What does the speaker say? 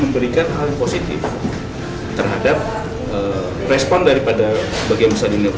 memberikan hal positif terhadap respon daripada bagian besar dunia usaha